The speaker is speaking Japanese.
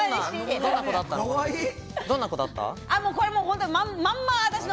どんな子だったの？